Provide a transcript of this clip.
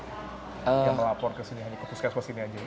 yang melapor ke sini hanya kepuskesmas sini aja